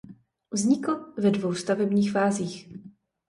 Vznikl ve dvou stavebních fázích.